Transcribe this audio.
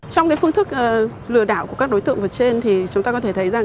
trong cái phương thức lừa đảo của các đối tượng vượt trên thì chúng ta có thể thấy rằng